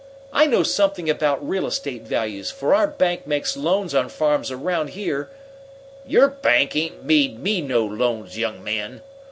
I know something about real estate values, for our bank makes loans on farms around here " "Your bank ain't made me no loans, young man!"